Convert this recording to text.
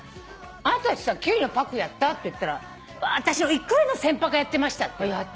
「あなたたちさキュウリのパックやった？」って言ったら「私の１個上の先輩がやってました」って。